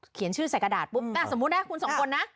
เขียนชื่อใส่กระดาษปุ๊บสมมุติได้คุณสองคนนะ